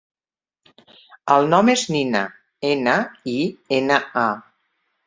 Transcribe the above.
El nom és Nina: ena, i, ena, a.